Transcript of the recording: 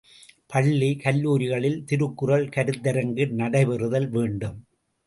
பள்ளி, கல்லூரிகளில் திருக்குறள் கருத்தரங்கு நடைபெறுதல் வேண்டும்.